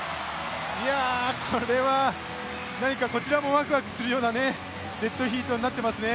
これは何かこちらもワクワクするようなデッドヒートになっていますね。